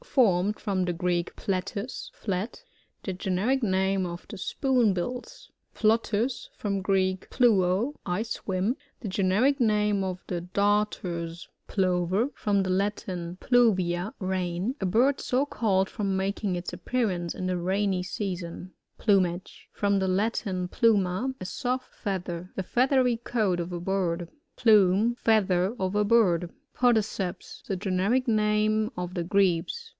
(Formed from the Greek, platus, flat) The Generic name of the Spoonbills. Plotus. — From the Greek, pluo^ I swim. Tfie generic name of the Darters. dbyGoogk 193 ORNITHOLOGY r—GLOSSARY. Pix)VER. — From lb© Latin, pluvia^ rain. A bird so called, from making its appearance in the rainy season. Plumaqb. — From the Latin, pluma, a soft feather. The feathery coat of a bird. Plumb. — Feather of a bird. PoDicBps. — The Generic name of the Grebes.